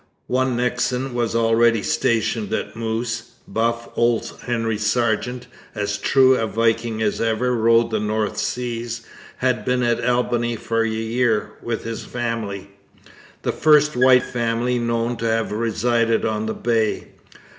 One Nixon was already stationed at Moose. Bluff old Henry Sargeant, as true a Viking as ever rode the north seas, had been at Albany for a year with his family the first white family known to have resided on the Bay.